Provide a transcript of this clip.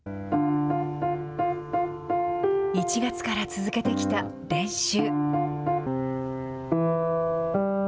１月から続けてきた練習。